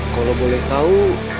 kalau boleh tau